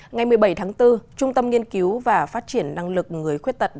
ngày một mươi bảy tháng bốn trung tâm nghiên cứu và phát triển năng lực người khuyết tật